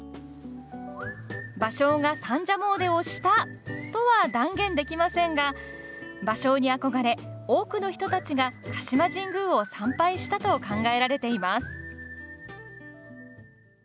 芭蕉が三社詣をしたとは断言できませんが芭蕉に憧れ、多くの人たちが鹿島神宮を参拝したと考えられています。